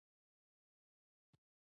پړانګ د اسیا په ځنګلونو کې زیات دی.